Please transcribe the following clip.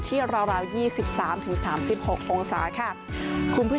ที่ราวราวยี่สิบสามถึงสามสิบหกองศาค่ะคุณผู้